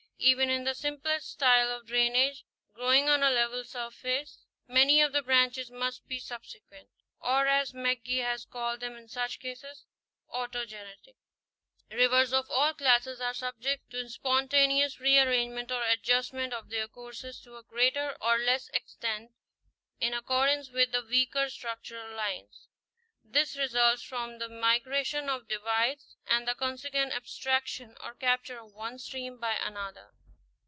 Even in the simplest style of drainage, growing on a level surface, many of the branches must be "subsequent," or as McGee has called them in such cases, " autogenetic." Rivers of all classes are subject to spontaneous re arrangement or adjustment of their courses to a greater or less extent, in ac cordance with the weaker structural lines. This results from the migration of divides and the consequent abstraction or capture of one stream by another.